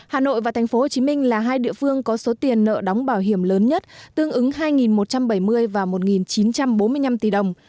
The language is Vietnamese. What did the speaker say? hà nội và tp hcm là hai địa phương có số tiền nợ đóng bảo hiểm lớn nhất tương ứng hai một trăm bảy mươi và một chín trăm bốn mươi năm tỷ đồng